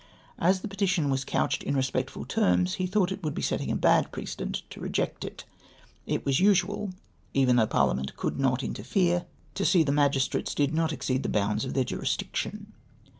As the petition was couched in respectful terms, he thought it would be setting a bad precedent to reject it ; it was usual, even though Parliament could not interfere, to see the magistrates did not exceed the bounds of their jurisdiction.